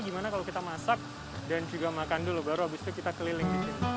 gimana kalau kita masak dan juga makan dulu baru habis itu kita keliling